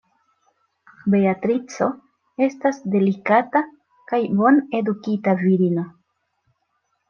Beatrico estas delikata kaj bonedukita virino.